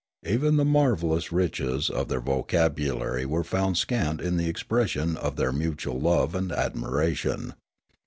Even the marvellous riches of their vocabulary were found scant in the expression of their mutual love and admiration.